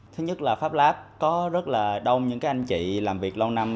thứ nhất là pháp láp có rất là đông những cái anh chị làm việc lâu năm